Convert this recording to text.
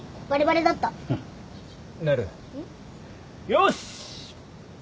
よし！